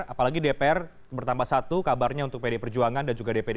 apalagi dpr bertambah satu kabarnya untuk pd perjuangan dan juga dpd